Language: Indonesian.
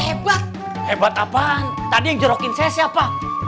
hebat hebat apaan tadi yang jorokin saya siapa